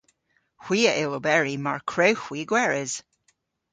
Hwi a yll oberi mar kwrewgh hwi gweres.